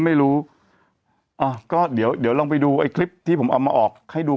ไม่รู้อ่าก็เดี๋ยวเดี๋ยวลองไปดูไอ้คลิปที่ผมเอามาออกให้ดู